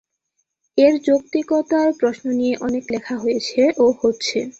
এর যৌক্তিকতার প্রশ্ন নিয়ে অনেক লেখা হয়েছে ও হচ্ছে।